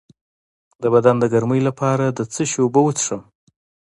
د بدن د ګرمۍ لپاره د څه شي اوبه وڅښم؟